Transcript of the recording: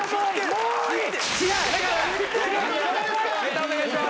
もういい！